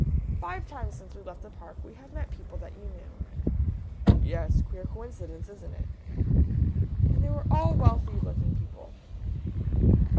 "Five times since we left the Park we have met people that you knew." "Yes. Queer coincidence, isn't it?" "And they were all wealthy looking people."